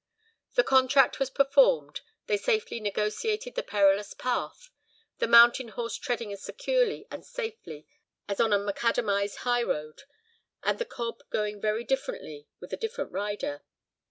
The contract was performed, they safely negotiated the perilous pass, the mountain horse treading as securely and safely as on a macadamised high road, and the cob going very differently with a different rider.